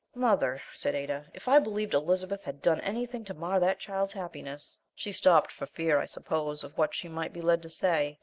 "Mother," said Ada, "if I believed Elizabeth had done anything to mar that child's happiness " She stopped for fear, I suppose, of what she might be led to say.